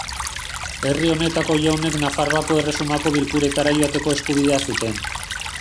Herri honetako jaunek Nafarroako erresumako bilkuretara joateko eskubidea zuten.